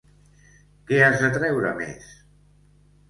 ¿Que has de treure més?